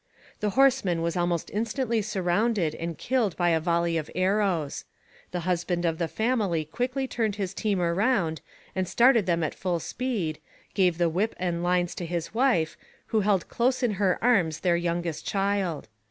The horseman was almost instantly surrounded and killed by a volley of arrows. The husband of the family quickly turned his team around and started them at full speed, gave the whip and lines to his wife, who held close in her arms her youngest child.